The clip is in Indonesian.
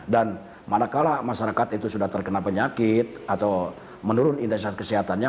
manakala masyarakat itu sudah terkena penyakit atau menurun intensitas kesehatannya